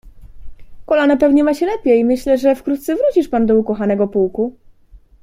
"Kolano pewnie ma się lepiej, myślę, że wkrótce wrócisz pan do ukochanego pułku?"